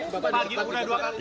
tapi bapak diperlukan dua kali